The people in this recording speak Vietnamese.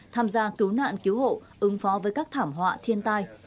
tham gia cứu nạn cứu hộ ứng phó với các thảm họa thiên tai